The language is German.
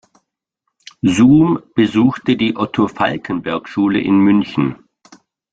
Suhm besuchte die Otto-Falckenberg-Schule in München.